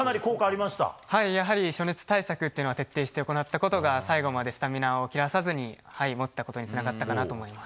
暑さ対策をやったことが最後までスタミナを切らさずに持ったことにつながったかなと思います。